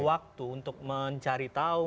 waktu untuk mencari tahu